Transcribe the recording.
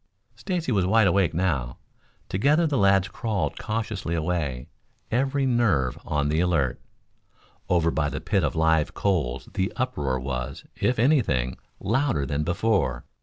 Stacy was wide awake now. Together the lads crawled cautiously away, every nerve on the alert. Over by the pit of live coals the uproar was, if any thing, louder than before.